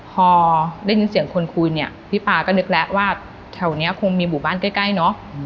พอได้ยินเสียงคนคุยเนี่ยพี่ป๊าก็นึกแล้วว่าแถวนี้คงมีหมู่บ้านใกล้เนอะ